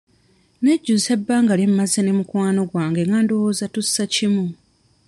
Nejjusa ebbanga lye mmaze ne mukwano gwange nga ndowooza tussa kimu.